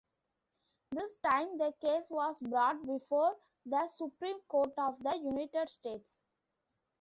This time, the case was brought before the Supreme Court of the United States.